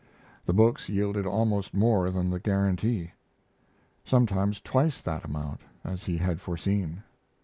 The books yielded always more than the guarantee; sometimes twice that amount, as he had foreseen.